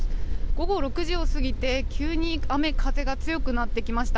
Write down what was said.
午後６時を過ぎて急に雨風が強くなってきました。